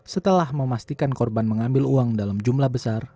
setelah memastikan korban mengambil uang dalam jumlah besar